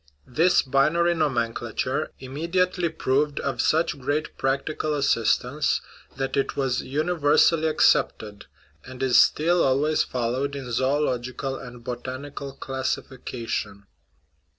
This binary nomenclature imme diately proved of such great practical assistance that it was universally accepted, and is still always followed in zoological and botanical classification.